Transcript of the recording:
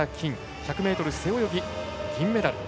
１００ｍ背泳ぎ、銀メダル。